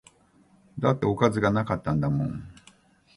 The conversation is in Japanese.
だっておかずが無かったんだもん